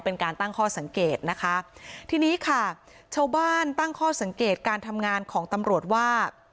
เป็นการตั้งข้อสังเกตนะคะทีนี้ค่ะชาวบ้านตั้งข้อสังเกตการทำงานของตำรวจว่า